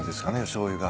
しょうゆが。